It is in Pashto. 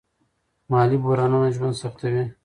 مالي بحرانونه ژوند سختوي.